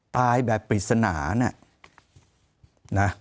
ตายแบบปริศนานะ